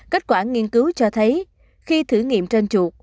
kết quả nghiên cứu cho thấy khi thử nghiệm trên chuột